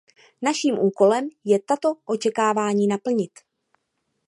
Naším úkolem je tato očekávání naplnit.